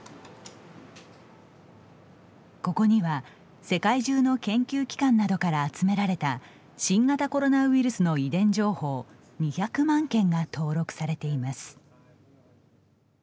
ここには、世界中の研究機関などから集められた新型コロナウイルスの遺伝情報２００万件が登録されています。